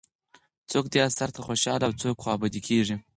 څوک دې اثر ته خوشاله او څوک خوابدي کېږي.